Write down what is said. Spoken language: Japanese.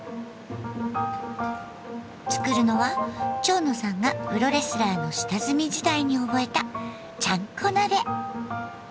作るのは蝶野さんがプロレスラーの下積み時代に覚えた「ちゃんこ鍋」。